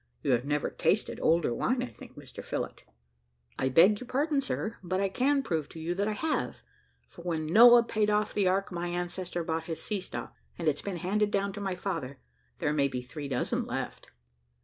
You have never tasted older wine, I think, Mr Phillott." "I beg you pardon, sir; but I can prove to you that I have, for when Noah paid off the ark, my ancestor bought his sea stock, and it's been handed down to my father: there may be three dozen left."